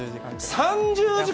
３０時間？